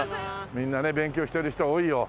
みんなね勉強してる人多いよ。